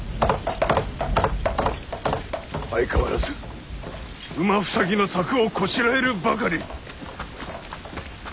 相変わらず馬塞ぎの柵をこしらえるばかり。